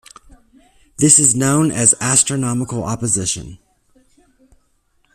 This is known as astronomical opposition.